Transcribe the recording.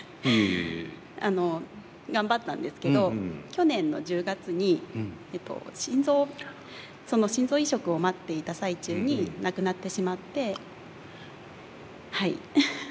あの頑張ったんですけど去年の１０月に心臓移植を待っていた最中に亡くなってしまって、はい。